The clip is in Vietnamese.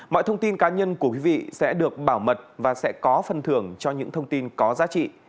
mọi thông tin cá nhân của quý vị sẽ được bảo mật và sẽ có phần thưởng cho những thông tin có giá trị